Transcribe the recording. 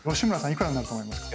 いくらになると思いますか？